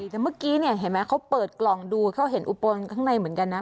แต่เมื่อกี้เนี่ยเห็นไหมเขาเปิดกล่องดูเขาเห็นอุปนข้างในเหมือนกันนะ